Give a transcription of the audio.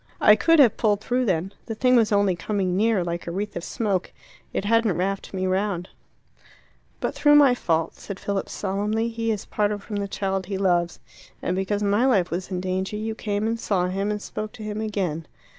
I could have pulled through then the thing was only coming near, like a wreath of smoke; it hadn't wrapped me round." "But through my fault," said Philip solemnly, "he is parted from the child he loves. And because my life was in danger you came and saw him and spoke to him again."